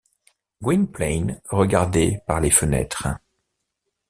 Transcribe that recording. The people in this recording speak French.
Gwynplaine regardait par les fenêtres.